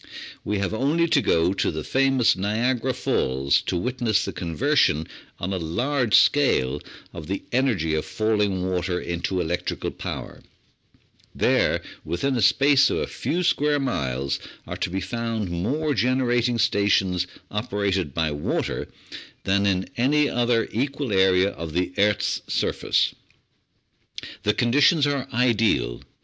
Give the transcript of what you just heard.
We have only to go to the fiamous Niagara Falls 810 The Outline of Science to witness the conversion on a large scale of the energy of fall ing water into electrical power; there, within a space of a few square miles, are to be found more generating stations operated by water than in any other equal area of the earth's surface. The conditions are ideal.